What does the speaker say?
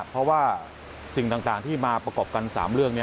เพราะว่าสิ่งต่างที่มาประกอบกัน๓เรื่อง